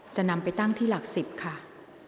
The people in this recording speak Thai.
จะนำไปตั้งที่หลัก๑๐ค่ะ